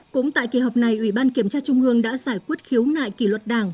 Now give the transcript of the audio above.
cũng tại kỳ họp này ủy ban kiểm tra trung ương đã giải quyết khiếu nại kỷ luật đảng